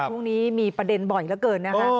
ช่วงนี้มีประเด็นบ่อยเหลือเกินนะคะ